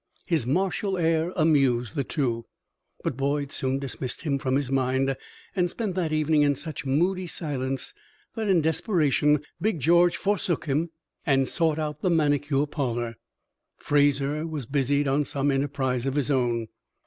His martial air amused the two, but Boyd soon dismissed him from his mind and spent that evening in such moody silence that, in desperation, Big George forsook him and sought out the manicure parlor. Fraser was busied on some enterprise of his own.